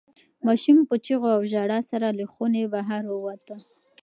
ماشوم په چیغو او ژړا سره له خونې بهر ووت.